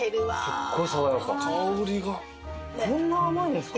こんな甘いんですか？